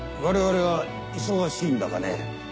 我々は忙しいんだがね。